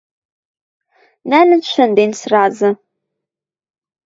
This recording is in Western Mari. Нӓлӹн шӹнден сразы.